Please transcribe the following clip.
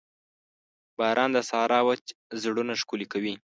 باران د صحرا وچ زړونه ښکلي کوي.